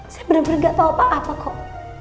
saya bener bener ga tau apa apa kok